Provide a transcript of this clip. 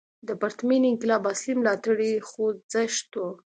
د پرتمین انقلاب اصلي ملاتړی خوځښت و.